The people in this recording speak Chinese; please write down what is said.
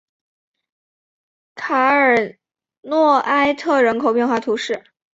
卡尔诺埃特人口变化图示